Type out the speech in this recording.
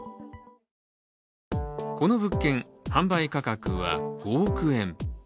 この物件、販売価格は５億円。